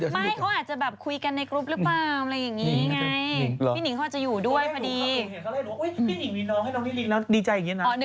อ๋อนึกว่าเขาเอาให้กับพี่นิ่งไม่ใช่